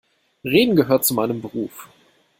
Reden gehört zu meinem Beruf.